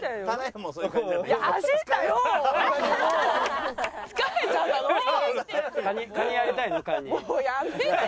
もうやめてよ